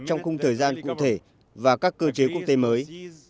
trong khung thời gian cụ thể và các cơ chế quốc tế mới